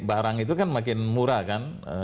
barang itu kan makin murah kan